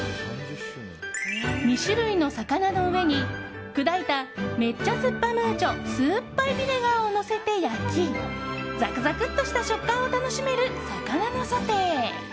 ２種類の魚の上に砕いためっちゃすっぱムーチョすーっぱいビネガーをのせて焼きザクザクっとした食感を楽しめる魚のソテー。